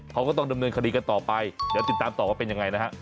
เขาก็ต้องดำเนินคดีกันต่อไปเดี๋ยวติดตามต่อว่าเป็นยังไงนะฮะ